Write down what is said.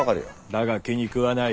だが気に食わない。